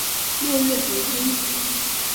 六月回军。